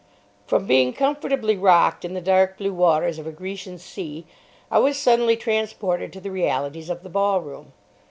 From being comfortably rocked in the dark blue waters of a Grecian sea, I was suddenly transported to the realities of the ballroom.